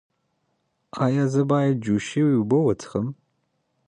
ایا زه باید جوش شوې اوبه وڅښم؟